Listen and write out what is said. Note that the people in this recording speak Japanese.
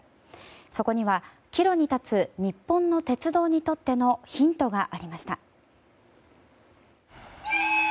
そこには岐路に立つ日本の鉄道にとってのヒントがありました。